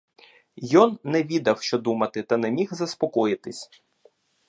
Йон не відав, що думати, та не міг заспокоїтись.